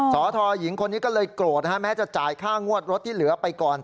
สทหญิงคนนี้ก็เลยโกรธแม้จะจ่ายค่างวดรถที่เหลือไปก่อน